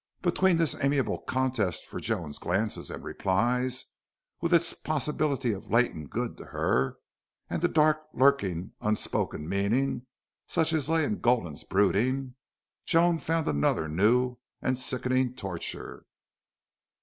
Between this amiable contest for Joan's glances and replies, with its possibility of latent good to her, and the dark, lurking, unspoken meaning, such as lay in Gulden's brooding, Joan found another new and sickening torture.